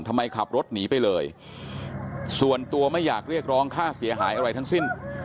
ขับรถหนีไปเลยส่วนตัวไม่อยากเรียกร้องค่าเสียหายอะไรทั้งสิ้น